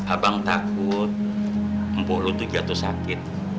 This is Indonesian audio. abang takut empuk lu tuh jatuh sakit